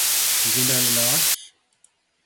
Nythindo olilo ot